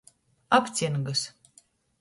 Apcingys.